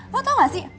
lo tau gak sih